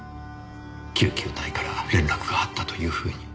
救急隊から連絡があったというふうに。